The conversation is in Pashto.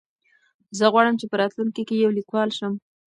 زه غواړم چې په راتلونکي کې یو لیکوال شم.